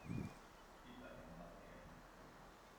一百零八年